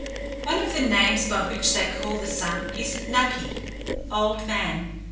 One of the names by which they call the Sun is Napi Old Man.